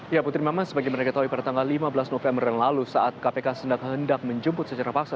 ya putri mama sebagai mereka tahu pada tanggal lima belas november yang lalu saat kpk sendak hendak menjemput secara paksa